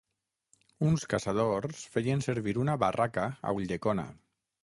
Uns caçadors feien servir una barraca a Ulldecona.